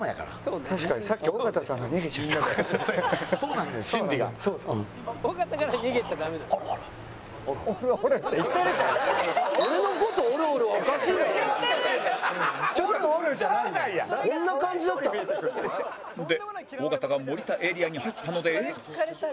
で尾形が森田エリアに入ったので